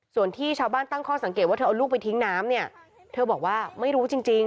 ส่วนที่ชาวบ้านตั้งข้อสังเกตว่าเธอเอาลูกไปทิ้งน้ำเนี่ยเธอบอกว่าไม่รู้จริง